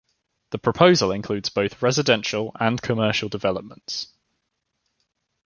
The proposal includes both residential and commercial developments.